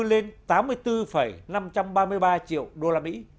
lên tám mươi bốn năm trăm ba mươi ba triệu đô la mỹ